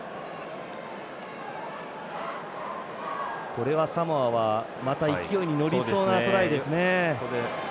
これはサモアはまた勢いにのりそうなトライですね。